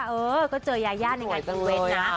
เออก็เจอยาย่าในการคุณเวชน่ะค่อยจังเลยอ่ะ